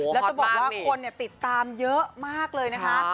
และคนติดตามเยอะมากเลยนะคะ